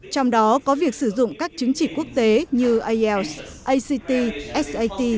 trong đó có việc sử dụng các chứng chỉ quốc tế như als act sat